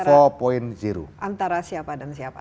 antara siapa dan siapa